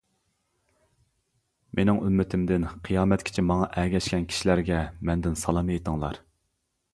مىنىڭ ئۈممىتىمدىن قىيامەتكىچە ماڭا ئەگەشكەن كىشىلەرگە مەندىن سالام ئېيتىڭلار!